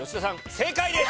正解です！